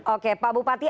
oke pak bupati